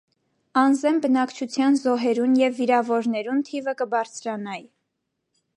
Անզէն բնակչութեան զոհերուն եւ վիրաւորներուն թիւը կը բարձրանայ։